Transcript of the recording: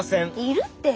いるって！